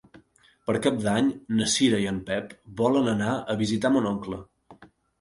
Per Cap d'Any na Cira i en Pep volen anar a visitar mon oncle.